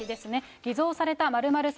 偽造された○○様